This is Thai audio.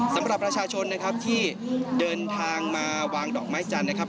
สำหรับประชาชนนะครับที่เดินทางมาวางดอกไม้จันทร์นะครับ